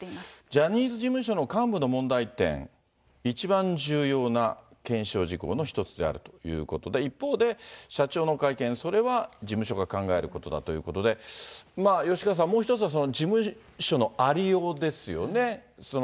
ジャニーズ事務所の幹部の問題点、一番重要な検証事項の一つであるということで、一方で、社長の会見、それは事務所が考えることだということで、吉川さん、もう一つは事務所のありようですよね。